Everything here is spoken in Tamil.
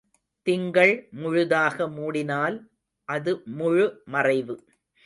திங்கள் முழுதாக மூடினால் அது முழு மறைவு.